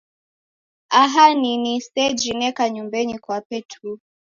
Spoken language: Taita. Aha ni ni seji neka nyumbenyi kwape tu.